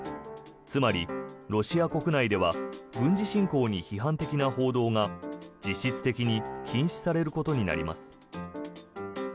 つまり、ロシア国内では軍事侵攻に批判的な報道が実質的に禁止されることになります。